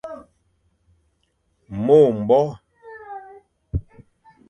Mo mbore